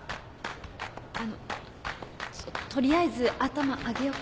あの取りあえず頭上げよっか。